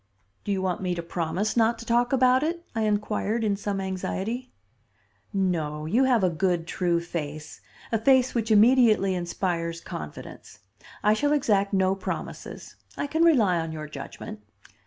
"Do you want me to promise not to talk about it?" I inquired in some anxiety. "No. You have a good, true face; a face which immediately inspires confidence. I shall exact no promises. I can rely on your judgment."